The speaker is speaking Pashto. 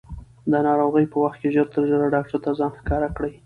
د ناروغۍ په وخت کې ژر تر ژره ډاکټر ته ځان ښکاره کړئ.